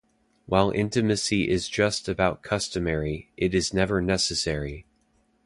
While intimacy is just about customary, it is never necessary.